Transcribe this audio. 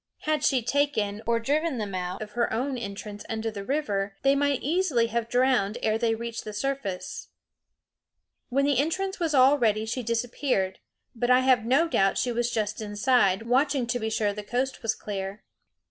Had she taken or driven them out of her own entrance under the river, they might easily have drowned ere they reached the surface. When the entrance was all ready she disappeared, but I have no doubt she was just inside, watching to be sure the coast was clear.